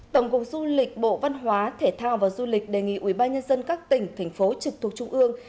tổng cục du lịch bộ văn hóa thể thao và du lịch đề nghị ubnd các tỉnh thành phố trực thuộc trung ương